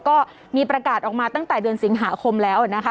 ก็มีประกาศออกมาตั้งแต่เดือนสิงหาคมแล้วนะคะ